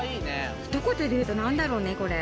・ひと言で言うと何だろうねこれ。